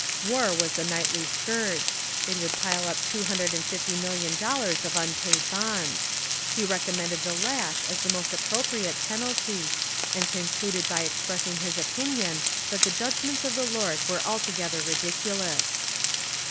War was a nightly scourge. It would pile up two hundred and fifty million dollars of unpaid bonds. He recommended the lash as the most appropriate penalty, and con cluded by expressing his opinion that the judg ments of the Lord were altogether ridiculous."